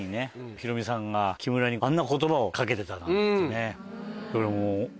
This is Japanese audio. ヒロミさんが木村にあんな言葉を掛けてたなんてね。